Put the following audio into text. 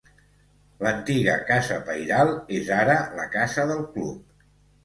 L'antiga casa pairal és ara la casa del club.